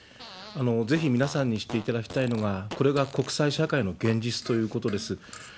ぜひ皆さんに知っていただきたいのが、これが国際社会の現実ということです。